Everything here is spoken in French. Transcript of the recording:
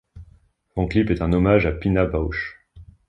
Son clip est un hommage à Pina Bausch.